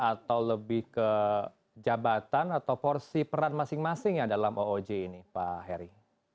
atau lebih ke jabatan atau porsi peran masing masing ya dalam ooj ini pak heri